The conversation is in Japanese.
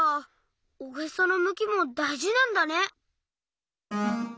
おへそのむきもだいじなんだね。